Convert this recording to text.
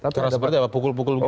keras seperti apa pukul pukul gitu